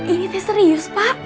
ini teh serius pak